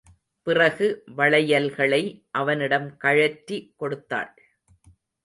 பிறகு வளையல்களை அவனிடம் கழற்றி கொடுத்தாள்.